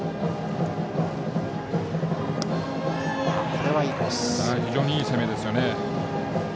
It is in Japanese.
今のは非常にいい攻めですね。